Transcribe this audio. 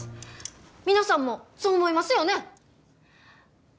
皆さんもそう思いますよね？